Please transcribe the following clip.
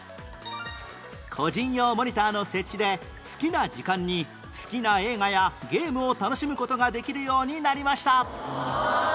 個人用モニターの設置で好きな時間に好きな映画やゲームを楽しむ事ができるようになりました